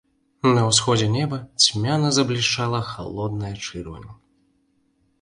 На ўсходзе неба цьмяна заблішчала халодная чырвань.